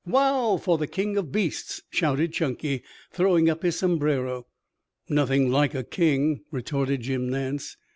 "Wow for the king of beasts!" shouted Chunky, throwing up his sombrero. "Nothing like a king," retorted Jim Nance.